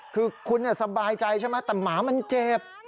คือคุณสบายใจใช่ไหมแต่หมามันเจ็บ